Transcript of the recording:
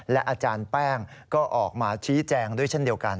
และอาจารย์แป้งก็ออกมาชี้แจงด้วยเช่นเดียวกัน